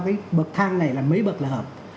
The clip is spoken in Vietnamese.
cái bậc thang này là mấy bậc là hợp